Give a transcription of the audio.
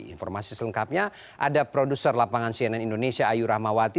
informasi selengkapnya ada produser lapangan cnn indonesia ayu rahmawati